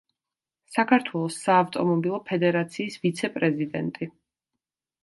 საქართველოს საავტომობილო ფედერაციის ვიცე-პრეზიდენტი.